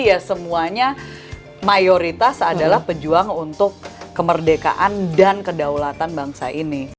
ya semuanya mayoritas adalah pejuang untuk kemerdekaan dan kedaulatan bangsa ini